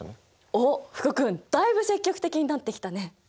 おっ福君だいぶ積極的になってきたね。